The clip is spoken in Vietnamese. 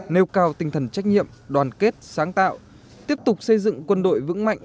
nêu cao tinh thần trách nhiệm đoàn kết sáng tạo tiếp tục xây dựng quân đội vững mạnh